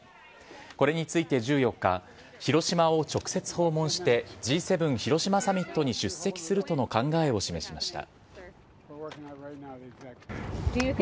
これについて１４日、広島を直接訪問して、Ｇ７広島サミットに出席するとの考えを示しました。